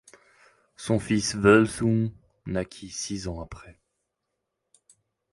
Son fils Völsung naquit six ans après.